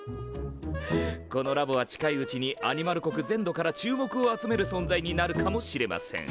このラボは近いうちにアニマル国全土から注目を集める存在になるかもしれません。